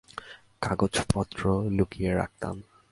কাগজপত্র লুকিয়ে রাখতাম।